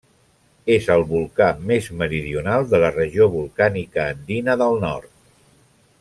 És el volcà més meridional de la regió volcànica andina del nord.